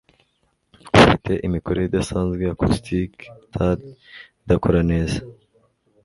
ufite imikorere idasanzwe ya caustic tad idakora neza